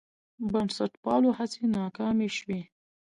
بنسټپالو هڅې ناکامې شوې.